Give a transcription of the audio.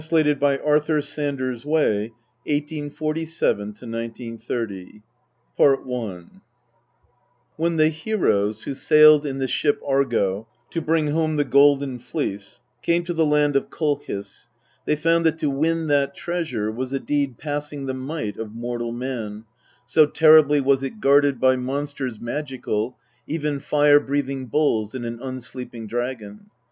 \_Exeunt omnes. THE MEDEA OF EURIPIDES TRANSLATED BY ARTHUR S. WAY WHEN the Heroes, who sailed in the ship Argo to bring home the Golden Fleece, came to the land of Kolchis, they found that to win that treasure was a deed passing the might of mortal man, so terribly was it guarded by monsters magi cal, even fire breathing bulls and an unsleeping dragon.